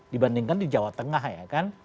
dibandingkan di jawa tengah ya kan